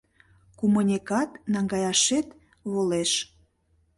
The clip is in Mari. Кумынекат наҥгаяшет волеш.